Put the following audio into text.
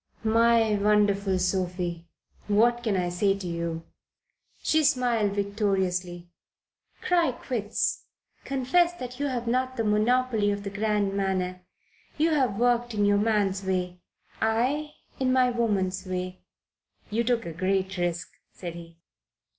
"My wonderful Sophie, what can I say to you?" She smiled victoriously. "Cry quits. Confess that you have not the monopoly of the grand manner. You have worked in your man's way I in my woman's way." "You took a great risk," said he.